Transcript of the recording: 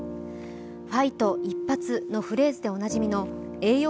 「ファイト！一発！」のフレーズでおなじみの栄養